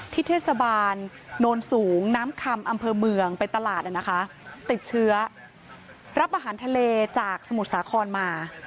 เทศบาลโนนสูงน้ำคำอำเภอเมืองไปตลาดนะคะติดเชื้อรับอาหารทะเลจากสมุทรสาครมา